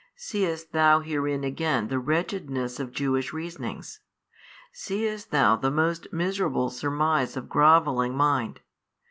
Seest thou herein again the wretchedness of Jewish reasonings? seest thou the most miserable surmise of grovelling mind?